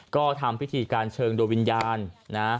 ก็ทำพิธีการเชิงโดยวิญญาณนะ